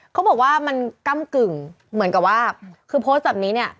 เขาบอกว่ามันก้ำกึ่งเหมือนกับว่าคือโพสต์แบบนี้เนี่ย